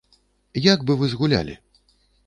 Як бы вы згулялі?